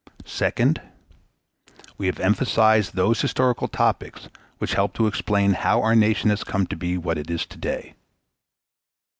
Second. We have emphasized those historical topics which help to explain how our nation has come to be what it is to day.